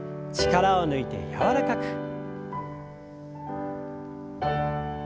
力を抜いて柔らかく。